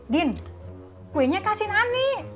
din kuenya kasih nny